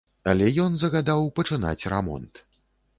Але ён загадаў пачынаць рамонт.